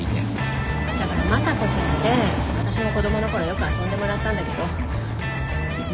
だからまさこちゃんって私も子どもの頃よく遊んでもらったんだけどま